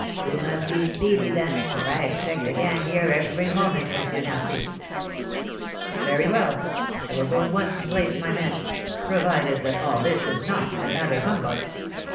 "You must be speedy, then, for I expect the gang here every moment, M. Narcisse." "Very well, I will go at once and place my men, provided that all this is not another humbug."